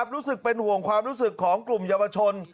รู้สึกเป็นห่วงความรู้สึกของกลุ่มเยาวชน